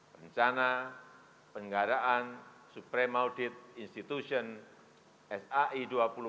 rencana penggaraan supreme audit institution sai dua puluh